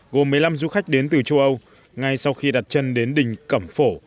gồm một mươi năm du khách đến từ châu âu ngay sau khi đặt chân đến đỉnh cẩm phổ